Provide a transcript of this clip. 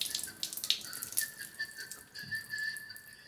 The maximum term of loans was extended from thirty days to ninety days.